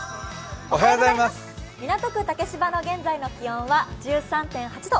港区竹芝の現在の気温は１３．８度。